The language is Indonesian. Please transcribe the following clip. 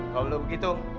kalau belum begitu